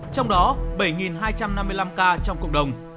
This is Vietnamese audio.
trong đó bảy hai trăm năm mươi năm ca trong cộng đồng